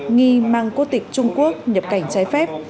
nghi mang quốc tịch trung quốc nhập cảnh trái phép